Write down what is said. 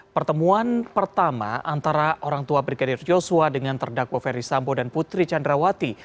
pertemuan pertama antara orang tua brigadir yosua dengan terdakwa verdi sambo dan putri candrawati